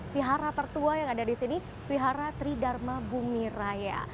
vihara tertua yang ada di sini vihara tridharma bumiraya